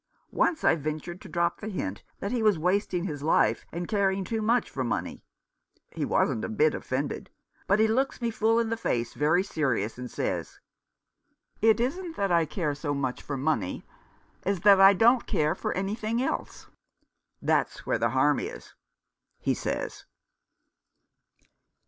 Once I ventured to drop the hint that he was wasting his life and caring too much for money. He wasn't a bit offended, but he looks me full in the face very serious, and says, ' It isn't that I care so much for money as that I don't care for anything else. That's where the harm is,' he says."